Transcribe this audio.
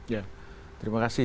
ya terima kasih